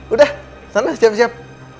udah sana siap siap